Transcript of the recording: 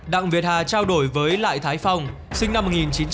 đặng việt hà trao đổi với lại thái phong sinh năm một nghìn chín trăm tám mươi